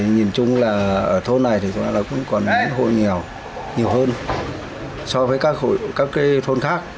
nhìn chung là ở thôn này thì cũng còn hộ nghèo nhiều hơn so với các thôn khác